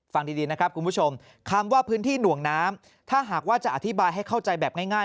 ฟังดีนะครับคุณผู้ชมคำว่าพื้นที่หน่วงน้ำถ้าหากว่าจะอธิบายให้เข้าใจแบบง่าย